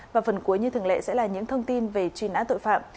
và phần cuối như thường lệ sẽ là những thông tin về truy nã tội phạm